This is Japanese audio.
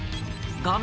画面